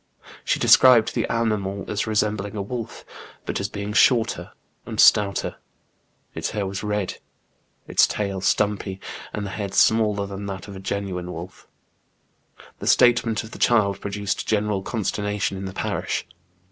She described the animal as resembling a wolf, but as being shorter and stouter ; its hair was red, its tail stumpy, and the head smaller than that of a genuine wolf. The statement of the child produced general con sternation in the parish.